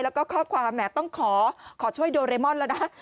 แล้วก็ข้อความแหมต้องขอช่วยโดเรมอนแล้วนะ